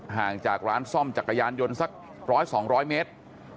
ห่างจากร้านซ่อมจักรยานยนต์สัก๑๐๐๒๐๐เมตร